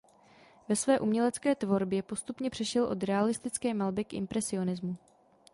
Ve své umělecké tvorbě postupně přešel od realistické malby k impresionismu.